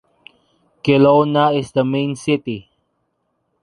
Kelowna is the main city.